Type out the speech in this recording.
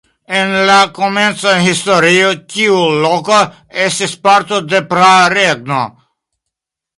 En la komenca historio tiu loko estis parto de praa regno.